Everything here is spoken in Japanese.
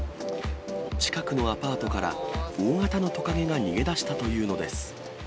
近くのアパートから大型のトカゲが逃げ出したというのです。